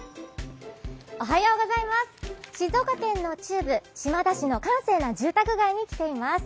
静岡県の中部、島田市の閑静な住宅街に来ています。